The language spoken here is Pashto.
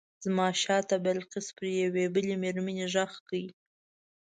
زما شاته بلقیس پر یوې بلې مېرمنې غږ کړ.